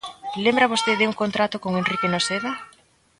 ¿Lembra vostede un contrato con Enrique Noceda?